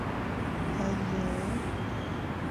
— Эйе-е!..